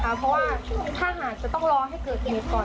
เพราะว่าถ้าหากจะต้องรอให้เกิดเหตุก่อน